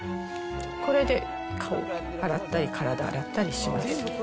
これで顔洗ったり体洗ったりします。